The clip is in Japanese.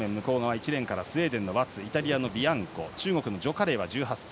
１レーンからスウェーデンのワツイタリアのビアンコ中国の徐佳玲は１８歳。